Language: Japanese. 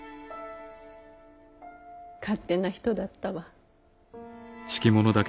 勝手な人だったわ。